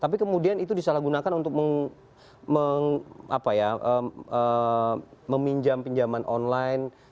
tapi kemudian itu disalahgunakan untuk meminjam pinjaman online